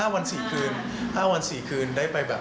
๕วัน๔คืนได้ไปแบบ